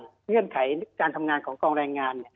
เงื่อนไขการทำงานของกองแรงงาน